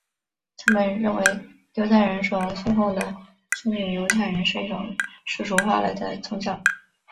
他们认为犹太人所信奉的圣殿犹太教是一种世俗化了的宗教。